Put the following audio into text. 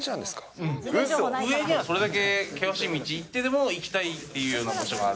上にはそれだけ険しい道行ってでも行きたいっていうような場所がある？